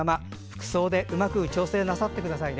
服装でうまく調整なさってください。